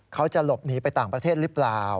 เขาจะหลบหนีไปต่างประเทศหรือเปล่า